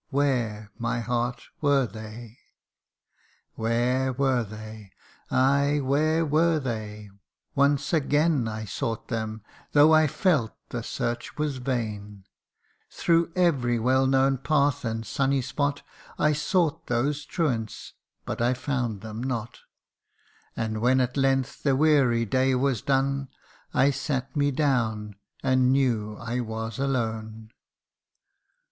where, my heart, were they ? Where were they ? ay, where were they ? once again I sought them, though I felt the search was vain Through every well known path and sunny spot I sought those truants but I found them not ; And when at length the weary day was done, I sat me down, and knew I was alone.